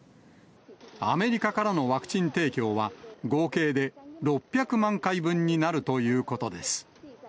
アメリカからのワクチン提供は、合計で６００万回分になるということです。